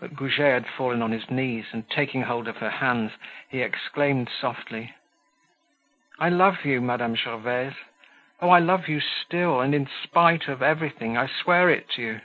But Goujet had fallen on his knees, and taking hold of her hands, he exclaimed softly: "I love you, Madame Gervaise; oh! I love you still, and in spite of everything, I swear it to you!"